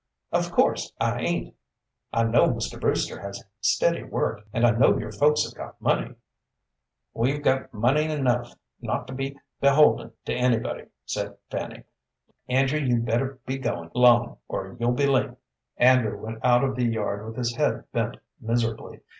"Of course I ain't. I know Mr. Brewster has steady work, and I know your folks have got money." "We've got money enough not to be beholden to anybody," said Fanny. "Andrew, you'd better be goin' along or you'll be late." Andrew went out of the yard with his head bent miserably.